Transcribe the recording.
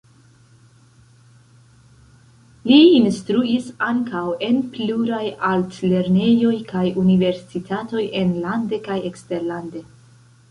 Li instruis ankaŭ en pluraj altlernejoj kaj universitatoj enlande kaj eksterlande.